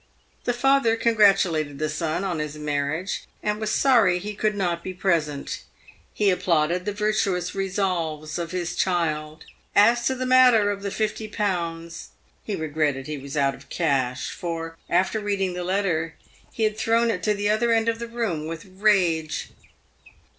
The father congratulated the son on his marriage, and was sorry he could not be present. He applauded the virtuous resolves of his child. As to the matter of the 50Z., he regretted he was out of cash, for, after reading the letter, he had thrown it to the other end of the room with rage.